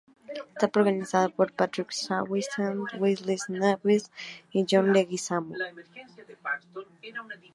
Está protagonizada por Patrick Swayze, Wesley Snipes y John Leguizamo.